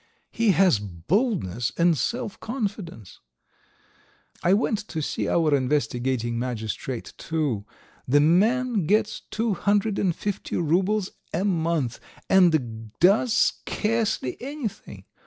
He has boldness and self confidence. I went to see our investigating magistrate too. The man gets two hundred and fifty roubles a month, and does scarcely anything.